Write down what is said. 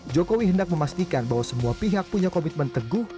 jokowi hendak memastikan bahwa semua pihak punya komitmen teguh